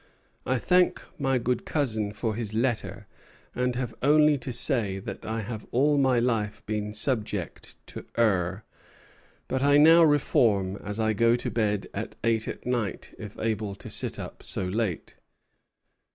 I thank my good cousin for his letter, and have only to say that I have all my life been subject to err; but I now reform, as I go to bed at eight at night, if able to sit up so late."